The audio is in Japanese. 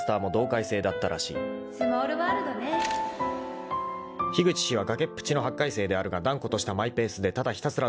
［樋口氏は崖っぷちの８回生であるが断固としたマイペースでただひたすら堂々としていた］